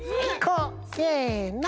せの！